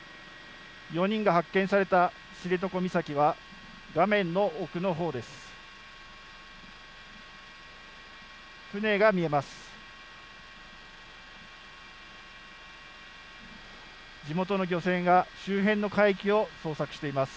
４人が発見された知床岬は画面の奥のほうです。